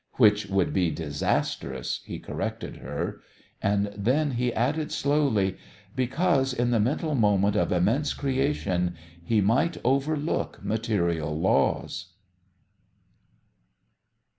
"Which would be disastrous," he corrected her. And then he added slowly: "Because in the mental moment of immense creation he might overlook material laws."